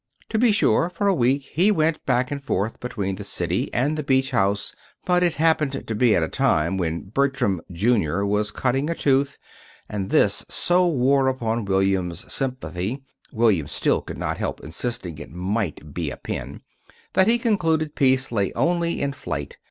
To be sure, for a week he went back and forth between the city and the beach house; but it happened to be a time when Bertram, Jr., was cutting a tooth, and this so wore upon William's sympathy William still could not help insisting it might be a pin that he concluded peace lay only in flight.